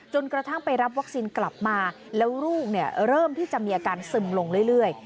กระทั่งไปรับวัคซีนกลับมาแล้วลูกเริ่มที่จะมีอาการซึมลงเรื่อย